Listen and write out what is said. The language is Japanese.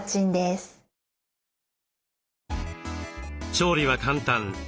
調理は簡単。